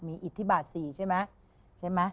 มีอิทธิบาสีใช่ไหม